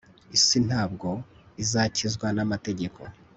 isi ntabwo izakizwa n amategeko